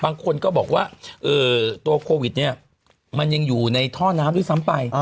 บางคนก็บอกว่าตัวโควิดเนี่ยมันยังอยู่ในท่อน้ำด้วยซ้ำไป